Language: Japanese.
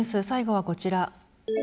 最後はこちら。